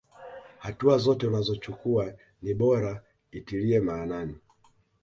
Hatua zote unazochukuwa ni bora itilie maanani.